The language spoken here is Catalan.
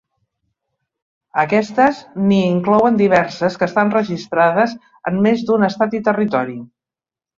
Aquestes n'hi inclouen diverses que estan registrades en més d'un estat i territori.